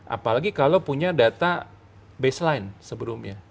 apalagi kalau punya data baseline sebelumnya